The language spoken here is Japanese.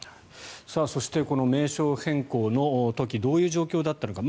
そして、名称変更の時どういう状況だったのか。